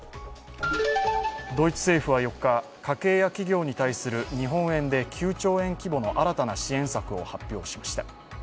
ドイツ政府は４日、家計や企業に対する日本円で９兆円規模の新たな支援策を発表しました。